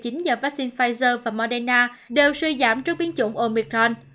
nhờ vắc xin pfizer và moderna đều suy giảm trước biến chủng omicron